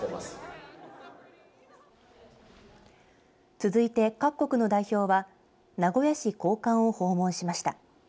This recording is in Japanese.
続いて各国の代表は名古屋市公館を訪問しました。